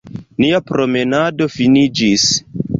Nia promenado finiĝis.